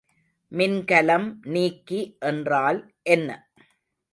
மின்கலம் நீக்கி என்றால் என்ன?